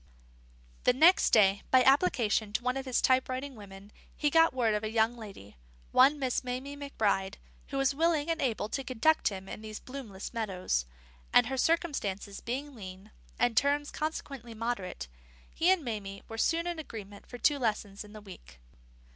The next day, by application to one of his type writing women, he got word of a young lady, one Miss Mamie McBride, who was willing and able to conduct him in these bloomless meadows; and, her circumstances being lean, and terms consequently moderate, he and Mamie were soon in agreement for two lessons in the week.